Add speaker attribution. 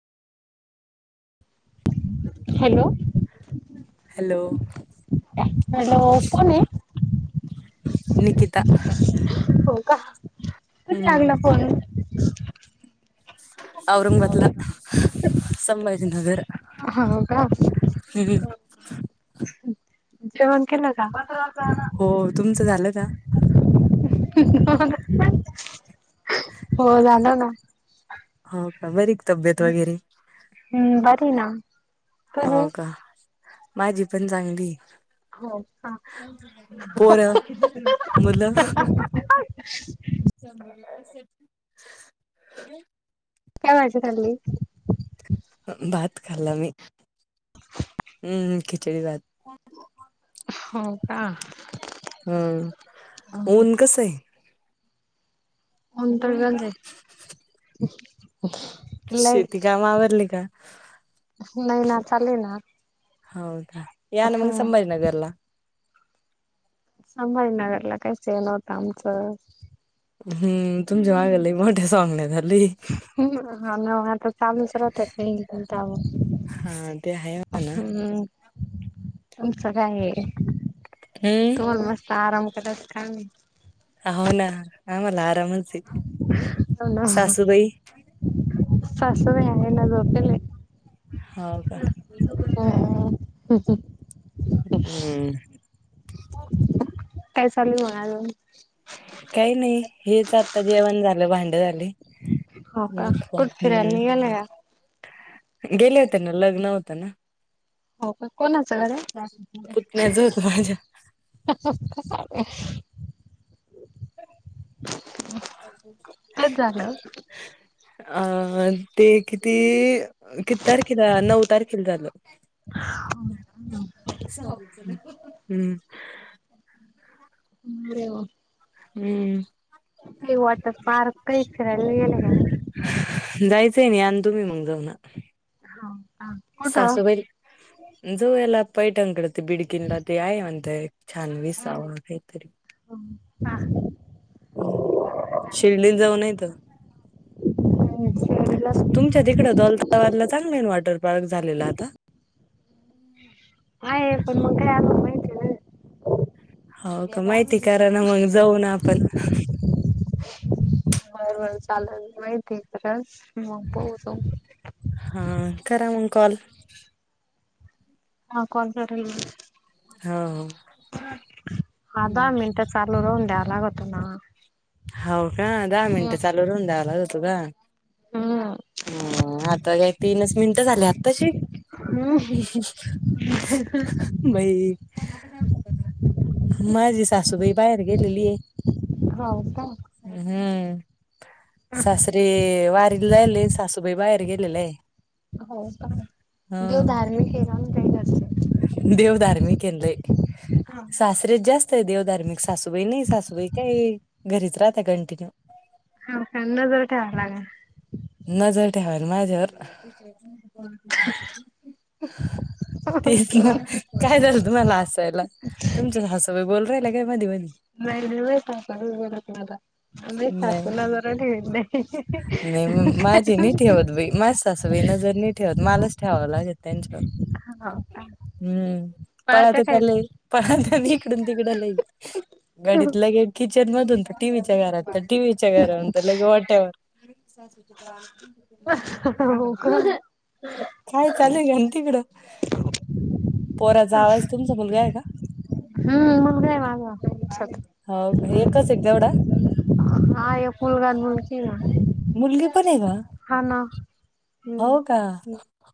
Speaker 1: Hello
Speaker 2: hello.
Speaker 1: Hello, कोन हाय?
Speaker 2: निकिता
Speaker 1: हो का, कुठे
Speaker 2: हम्म
Speaker 1: लागला फोन?
Speaker 2: औरंगबादला, संभाजीनगर
Speaker 1: हो का
Speaker 2: हम्म.
Speaker 1: जेवण केला का?
Speaker 2: हो तुमचं झालं का
Speaker 1: [inaudible] हो झालं ना.
Speaker 2: काय बरी हाय का? तब्येत वगैरे
Speaker 1: हम्म बरी आहे ना मी. तुम्ही?
Speaker 2: हो का माझी पण चांगली आहे.
Speaker 1: हो का?
Speaker 2: पोरं मुलं [inaudible]
Speaker 1: काय व्हायच खाली
Speaker 2: भात खाला मी. हम् खिचडी भात
Speaker 1: हो का
Speaker 2: हम् ऊन कसं हाय
Speaker 1: [inaudible] बंद हाय. [inaudible]
Speaker 2: शेती काम आवरली का?
Speaker 1: नाही ना चाललय ना.
Speaker 2: होव. या ना म्
Speaker 1: हम्म
Speaker 2: संभाजीनगरला.
Speaker 1: संभाजीनगरला [inaudible] नव्हतं आमचं
Speaker 2: हुम् तुमच्या गावाला लय मोठं स्वामी नगर लई.
Speaker 1: हं नव्यातक फॅमलीसकट‌ [inaudible]
Speaker 2: हा ते आहे म्हणा
Speaker 1: हम् तुमचं काय तोल
Speaker 2: हम्म
Speaker 1: मस्त आराम. कदाचीत काम
Speaker 2: हो ना अं मला आर् रामचाय सासुबाई?
Speaker 1: सासुबाई आहे ना झोपले.
Speaker 2: हो का.
Speaker 1: [inaudible]
Speaker 2: हम्म.
Speaker 1: काय चालू आहे म् अजून
Speaker 2: काही नाही हेच आता जेवण झालं भांडी झाली.
Speaker 1: हो का कुठं फिरायला निघालया?
Speaker 2: गेले होते ना लग्न होत्. त न
Speaker 1: हो का. कोणाचं घर हाय?
Speaker 2: पुतण्याचं होतं माझ्या.
Speaker 1: [unintelligible] तेच झालं हो
Speaker 2: अ ते किती-किती तारखेला? नऊ तारखेला झालं. हम्म.
Speaker 1: [inaudible]
Speaker 2: हम्म.
Speaker 1: ते वॉटर पार्क इचारायला गेलेलो.
Speaker 2: [unintelligible]
Speaker 1: का हा कुठं
Speaker 2: सासूबाई जोयालत. पैठणीकडं, ते बिडकीनला ते, आहे म्हणतायेत. छान विसावा काही तरी.
Speaker 1: हां.
Speaker 2: हम्म शिर्डीला जाऊन येतं.
Speaker 1: [unintelligible]
Speaker 2: तुमच्या तिकडं, दौलताबादला चांगलं आहे. वॉटर पार्क झालेला आता?
Speaker 1: हाये पण मग काय आम्हाला, माहिती नाही ना
Speaker 2: हो का? माहिती करा ना मग जाऊ ना आपण.
Speaker 1: बर बर चालल [unintelligible] मग बघू जाऊ.
Speaker 2: हा.. करा मग कॉल.
Speaker 1: हा कॉल करेल मग.
Speaker 2: हां.
Speaker 1: आधा मिनटं चालू राहून द्याल, चालवतो ना.
Speaker 2: हाऊ का, दहा
Speaker 1: हम्म
Speaker 2: मिनटं चालू राहुंद्या. होतो का.
Speaker 1: हम्म
Speaker 2: हम आता काय तीनच मिनिटं झालंय आताशी,
Speaker 1: हम्म
Speaker 2: बाई माझी सासूबाई बाहेर गेलीय.
Speaker 1: हो का
Speaker 2: हम्म. सासरे वारीला जायलेत, सासुबाई बाहेर गेलेत. [unintelligible]
Speaker 1: हो का, देव धार्मिक आहे ना, म्हणून जात असतील.
Speaker 2: देव धार्मिकेन लै,
Speaker 1: हा
Speaker 2: सासरेच जास्त. देवधार्मिक सासू. तुबई नी सासूबाई काय? घरीच राहत ते, कंटिन्यू.
Speaker 1: नजर ठेवावं लागणं.
Speaker 2: नजर ठेवायला माझ्यावर. [unintelligible] तेच ना, काय झालं तुम्हानला हसायला. तुमच्याच हसून बोलू, पहायला काय मधी-मधी,
Speaker 1: नाही [unintelligible]
Speaker 2: नाही
Speaker 1: सासूला जरा ठेवेण,
Speaker 2: नाही म माझी नाही ठेवत बाई, माझी सासू बाई नजर नाही ठेवत. मलाच ठेवावं लागते त्यांच्यावर हम्म..
Speaker 1: पळत्या
Speaker 2: पळात्यात
Speaker 1: काय
Speaker 2: न लई पळात्यात इकडून तिकडं लई घडीत लगेच किचन मधून तर टीव्हीच्या घरात त टीव्हीच्या घरावून लगे वट्यावर डायरेक्ट सासूच्या
Speaker 1: [unintelligible] हो काय
Speaker 2: काय चालू घ्या तिकडं पोराचा आवाज तुमचा मुलगा आहे का
Speaker 1: हूं मुलगा ये माझा
Speaker 2: हो का? एकच एक तेवढा
Speaker 1: [unintelligible] हा एक मुलगा अन् मुलगी ये ना
Speaker 2: तुम्ही पण आहे का?
Speaker 1: हा ना हम्म.
Speaker 2: हो का